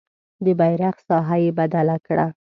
د بیرغ ساحه یې بدله کړه.